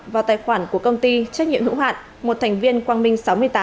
vào tài khoản của công ty trách nhiệm hữu hạn một thành viên quang minh sáu mươi tám